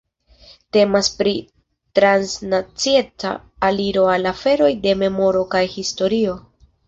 Temas pri transnacieca aliro al aferoj de memoro kaj historio.